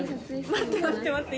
待って待って待って。